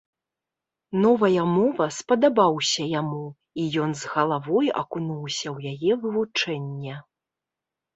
Новая мова спадабаўся яму, і ён з галавой акунуўся ў яе вывучэнне.